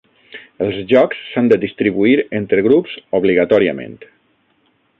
Els jocs s'han de distribuir entre grups obligatòriament.